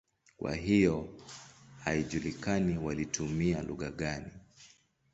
Kwa hiyo haijulikani walitumia lugha gani.